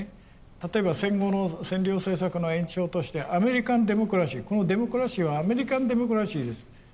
例えば戦後の占領政策の延長としてアメリカンデモクラシーこのデモクラシーはアメリカンデモクラシーです。